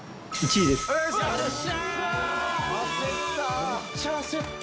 塙：めっちゃ焦った。